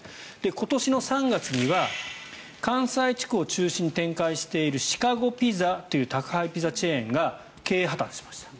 今年の３月には関西地区を中心に展開しているシカゴピザという宅配ピザチェーンが経営破たんしました。